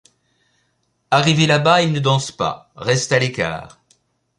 Arrivé là-bas il ne danse pas, reste à l'écart.